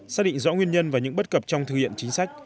xác định rõ nguyên nhân và những bất cập trong thực hiện chính sách